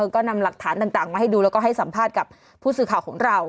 ก็นำหลักฐานต่างมาให้ดูแล้วก็ให้สัมภาษณ์กับผู้สื่อข่าวของเรา